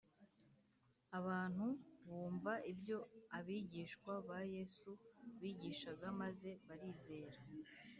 Abantu bumva ibyo abigishwa ba Yesu bigishaga, maze barizera